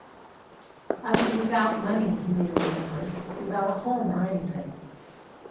"I was without money," he later remembered, "without a home or anything.